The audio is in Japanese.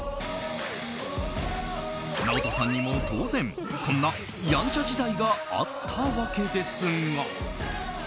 ＮＡＯＴＯさんにも当然こんなヤンチャ時代があったわけですが。